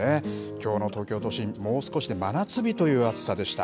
きょうの東京都心、もう少しで真夏日という暑さでした。